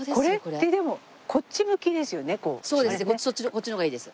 こっちの方がいいです。